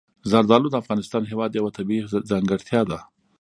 زردالو د افغانستان هېواد یوه طبیعي ځانګړتیا ده.